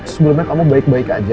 sebelumnya kamu baik baik aja